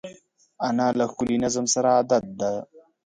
انا له ښکلي نظم سره عادت ده